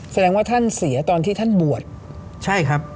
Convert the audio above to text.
แสดงว่าท่านเสียตอนที่ท่านบวช